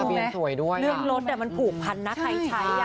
เบียนสวยด้วยเรื่องรถมันผูกพันนะใครใช้อ่ะ